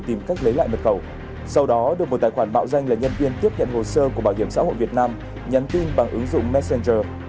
tìm cách lấy lại mật khẩu sau đó được một tài khoản mạo danh là nhân viên tiếp nhận hồ sơ của bảo hiểm xã hội việt nam nhắn tin bằng ứng dụng messenger